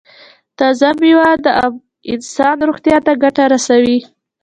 تازه میوه د انسان روغتیا ته ګټه رسوي.